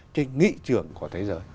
trên nghị trường của thế giới